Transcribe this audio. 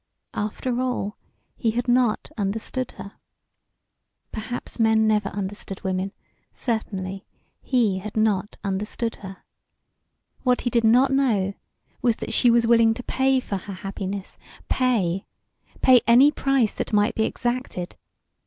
After all, he had not understood her. Perhaps men never understood women; certainly he had not understood her. What he did not know was that she was willing to pay for her happiness pay pay any price that might be exacted.